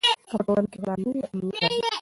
که په ټولنه کې غلا نه وي نو امنیت راځي.